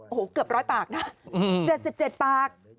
โอ้โหเกือบร้อยปากนะ๗๗ปาก